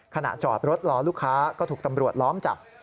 ขณะจอดรถรอลูกค้าก็ถูกตำรวจล้อมจับ